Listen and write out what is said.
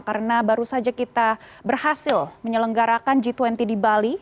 karena baru saja kita berhasil menyelenggarakan g dua puluh di bali